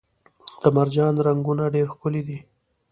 د مرجان رنګونه ډیر ښکلي دي